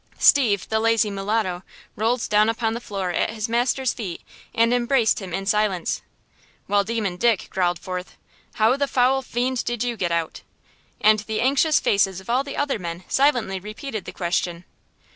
Steve, the lazy mulatto, rolled down upon the floor at his master's feet, and embraced him in silence. While Demon Dick growled forth: "How the foul fiend did you get out?" And the anxious faces of all the other men silently repeated the question.